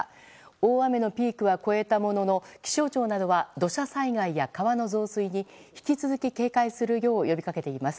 大雨のピークは越えたものの気象庁などは土砂災害や川の増水に引き続き警戒するよう呼び掛けています。